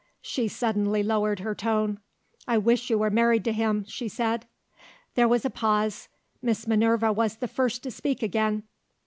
She suddenly lowered her tone. "I wish you were married to him," she said. There was a pause. Miss Minerva was the first to speak again.